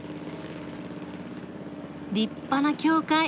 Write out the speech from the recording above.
立派な教会。